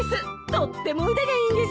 とっても腕がいいんですよ。